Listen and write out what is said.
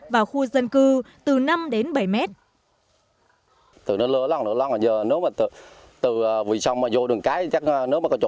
vào khu dân cư từ năm đến bảy mét